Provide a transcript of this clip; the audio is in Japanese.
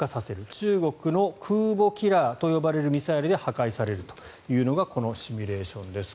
中国の空母キラーと呼ばれるミサイルで破壊されるというのがこのシミュレーションです。